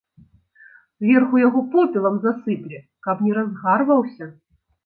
Зверху яго попелам засыпле, каб не разгарваўся.